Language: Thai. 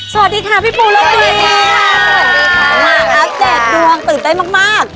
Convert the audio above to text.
สวัสดีค่ะพี่ปูนกดเหมือนอบเจสดวงตื่นเต้นมากมาก